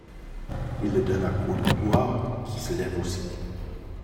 Il le donne à Cordenbois, qui se lève aussi.